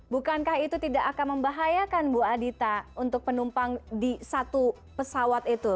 bukankah itu tidak akan membahayakan bu adita untuk penumpang di satu pesawat itu